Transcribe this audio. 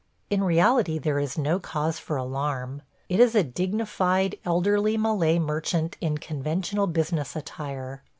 In reality there is no cause for alarm; it is a dignified elderly Malay merchant in conventional business attire.